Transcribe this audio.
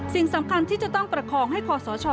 สิ่งสำคัญที่จะต้องประคองให้คอสช